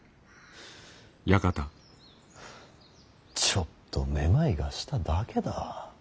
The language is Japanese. ちょっとめまいがしただけだ。